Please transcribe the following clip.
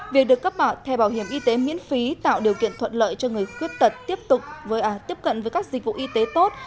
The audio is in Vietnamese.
việc được cấp thẻ bảo hiểm y tế miễn phí tạo điều kiện thuận lợi cho người khuyết tật tiếp cận với các dịch vụ y tế tốt